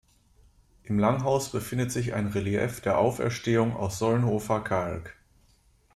Im Langhaus befindet sich ein Relief der Auferstehung aus Solnhofer Kalk.